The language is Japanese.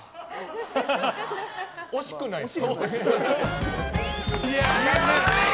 惜しくないです。